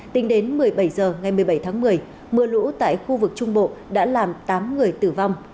tính đến một mươi bảy h ngày một mươi bảy tháng một mươi mưa lũ tại khu vực trung bộ đã làm tám người tử vong